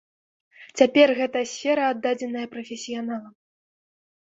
Цяпер гэтая сфера аддадзеная прафесіяналам.